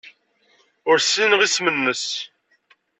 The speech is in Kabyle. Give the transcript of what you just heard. Ur ssineɣ isem-nnes.